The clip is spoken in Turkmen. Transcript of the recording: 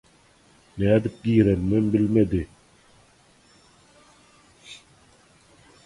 Nädip gireninem bilmedi.